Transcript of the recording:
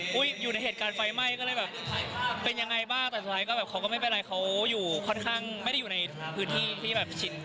ก็ตกใจเพราะว่าตอนแรกแบบ